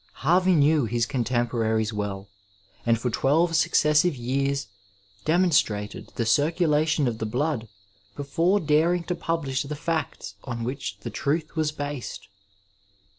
Harvey knew his con temporaries well, and for twelve successive years demon strated the circulation of the blood before daring to publish the facts on which the truth was based.